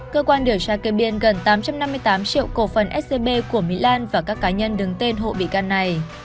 cơ quan điều tra kê biên gần tám trăm năm mươi tám triệu cổ phần scb của mỹ lan và các cá nhân đứng tên hộ bị can này